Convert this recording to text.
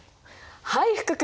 はい福君！